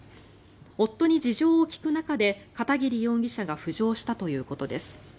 夫に事情を聴く中で片桐容疑者が浮上したということです。